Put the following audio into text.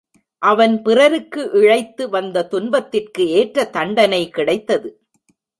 அவன் பிறருக்கு இழைத்து வந்த துன்பத்திற்கு ஏற்ற தண்டனை கிடைத்தது.